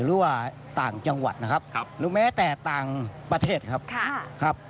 หรือว่าต่างจังหวัดนะครับหรือแม้แต่ต่างประเทศครับ